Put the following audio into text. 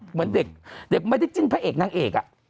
เหมือนเด็กไม่ได้จิ้นพระเอกนางเอก